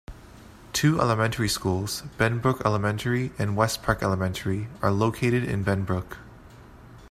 Two elementary schools, Benbrook Elementary and Westpark Elementary, are located in Benbrook.